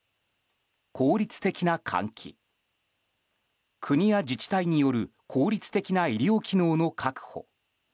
効率的な換気国や自治体による効率的な医療機能の確保